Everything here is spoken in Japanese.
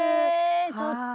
ちょっと。